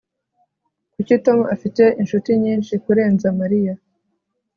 Tom afite inshuti nyinshi kurenza Mariya